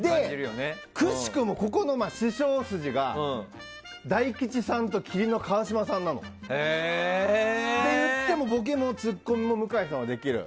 くしくも、ここの師匠筋が大吉さんと麒麟の川島さんなの。ボケもツッコミも向さんはできる。